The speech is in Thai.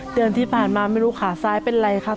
เดือนที่ผ่านมาไม่รู้ขาซ้ายเป็นอะไรครับ